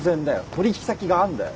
取引先があるんだよ。